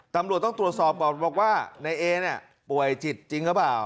ตำรวจต้องตรวจสอบก่อนบอกว่านายเอเนี่ยป่วยจิตจริงหรือเปล่า